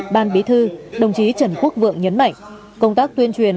ban bí thư đồng chí trần quốc vượng nhấn mạnh công tác tuyên truyền